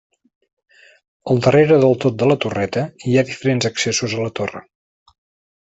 Al darrere del tot de la torreta hi ha diferents accessos a la torre.